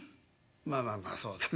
「まあまあまあそうだね。